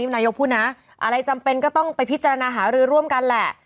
นายกพูดนะอะไรจำเป็นก็ต้องไปพิจารณาหารือร่วมกันแหละ